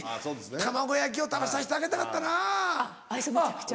卵焼きを食べさせてあげたかったなぁ。